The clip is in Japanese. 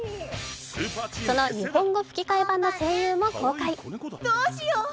その日本語吹き替え版の声優も公開。